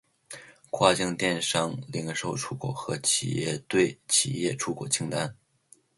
跨境电商零售出口和企业对企业出口清单